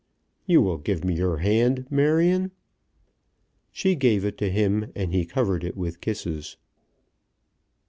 "You will give me your hand, Marion." She gave it to him, and he covered it with kisses.